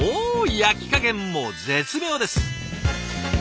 焼き加減も絶妙です。